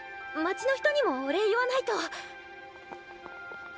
街の人にもお礼言わないと。